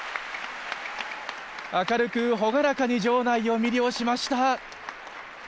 明るく朗らかに場内を魅了しました。